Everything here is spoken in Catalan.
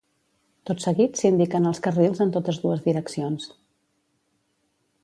Tot seguit s'indiquen els carrils en totes dues direccions.